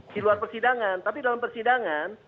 di luar persidangan tapi dalam persidangan